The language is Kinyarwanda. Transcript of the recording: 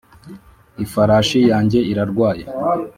ifarashi yanjye irarwaye